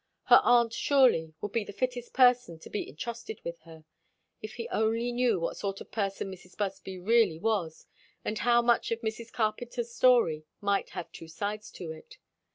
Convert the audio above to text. Her aunt surely, would be the fittest person to be intrusted with her. If he only knew what sort of person Mrs. Busby really was, and how much of Mrs. Carpenter's story might have two sides to it?